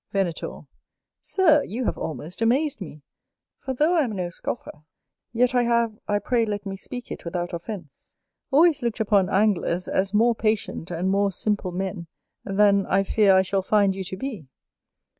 Venator. Sir, you have almost amazed me; for though I am no Scoffer, yet I have, I pray let me speak it without offence, always looked upon Anglers, as more patient, and more simple men, than I fear I shall find you to be.